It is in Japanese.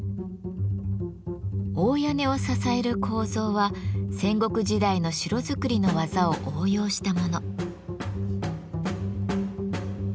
大屋根を支える構造は戦国時代の城造りの技を応用したもの。